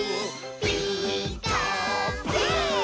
「ピーカーブ！」